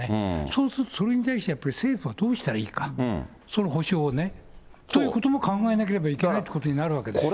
そうすると、それに対してやっぱり政府はどうしたらいいか、その補償をね。ということも考えなければいけないということになるわけですよ。